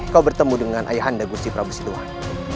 kau bertemu dengan ayah anda gusti prabu siluwangi